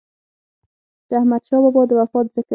د احمد شاه بابا د وفات ذکر